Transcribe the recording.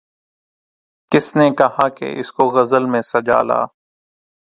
کس نے کہا کہ اس کو غزل میں سجا لا